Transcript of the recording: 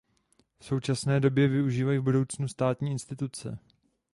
V současné době využívají budovu státní instituce.